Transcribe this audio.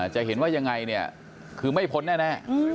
จะเห็นว่ายังไงเนี่ยคือไม่พ้นแน่